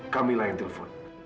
kak mila yang telepon